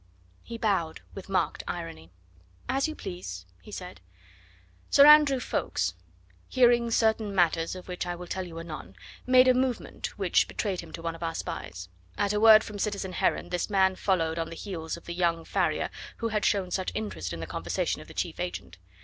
He bowed with marked irony. "As you please," he said. "Sir Andrew Ffoulkes, hearing certain matters of which I will tell you anon, made a movement which betrayed him to one of our spies. At a word from citizen Heron this man followed on the heels of the young farrier who had shown such interest in the conversation of the Chief Agent.